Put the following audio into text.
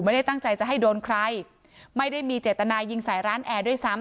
ไม่ได้ตั้งใจจะให้โดนใครไม่ได้มีเจตนายิงใส่ร้านแอร์ด้วยซ้ำ